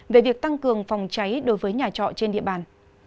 về việc tăng cường phòng cháy đối với nhà trọ trên địa bàn